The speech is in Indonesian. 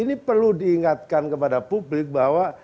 itu diingatkan kepada publik bahwa